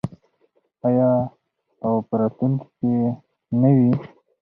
آیا او په راتلونکي کې نه وي؟